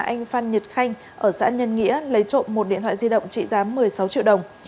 anh phan nhật khanh ở xã nhân nghĩa lấy trộm một điện thoại di động trị giá một mươi sáu triệu đồng